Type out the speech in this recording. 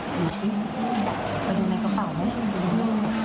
ไปดูในกระเป๋าไหม